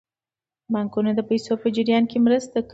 بانکونه د پیسو په جریان کې مرسته کوي.